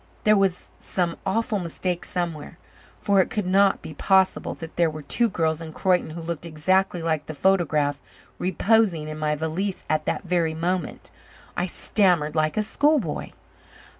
There was some awful mistake somewhere, for it could not be possible that there were two girls in Croyden who looked exactly like the photograph reposing in my valise at that very moment. I stammered like a schoolboy.